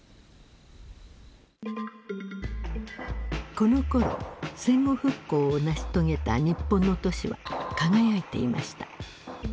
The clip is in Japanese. このころ戦後復興を成し遂げた日本の都市は輝いていました。